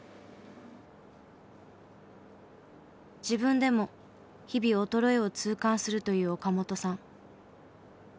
自分でも日々衰えを痛感すると言う岡本さん。